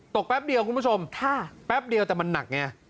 แป๊บเดียวคุณผู้ชมแป๊บเดียวแต่มันหนักไง